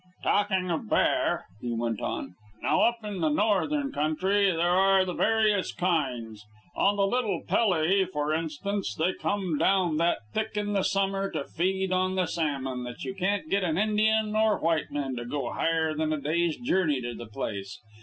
"Talkin' of bear," he went on, "now up in the Northern Country there are various kinds. On the Little Pelly, for instance, they come down that thick in the summer to feed on the salmon that you can't get an Indian or white man to go nigher than a day's journey to the place.